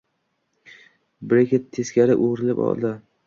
Breket teskari o`girilib oldi